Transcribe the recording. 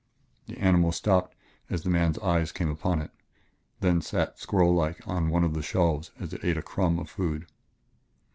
The animal stopped as the man's eyes came upon it; then sat squirrellike on one of the shelves as it ate a crumb of food.